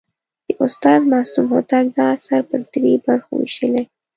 د استاد معصوم هوتک دا اثر پر درې برخو ویشلی.